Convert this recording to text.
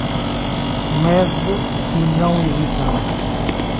Leve e não irritante